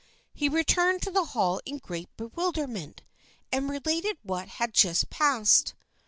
He returned to the hall in great bewilderment, and related what had just passed.